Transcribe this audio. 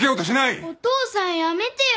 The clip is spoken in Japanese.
お父さんやめてよ。